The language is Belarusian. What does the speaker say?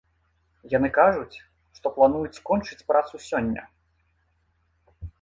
Яны кажуць, што плануюць скончыць працу сёння.